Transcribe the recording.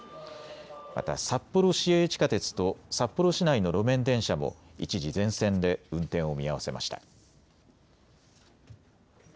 また札幌市営地下鉄と札幌市内の路面電車も一時、全線で運転を見合わせました。